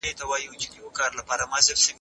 خلیفه ګرځول یو لوی مسؤلیت دی.